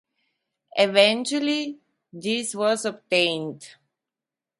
Eventually this was obtained.